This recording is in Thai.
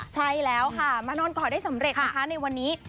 ใช่แล้วค่ะมานอนก่อได้สำเร็จนะคะในวันนี้